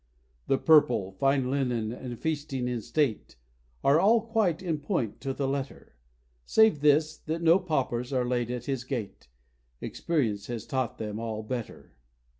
The purple, fine linen, and feasting in state, Are all quite in point to the letter; Save this, that no paupers are laid at his gate, Experience has taught them all better.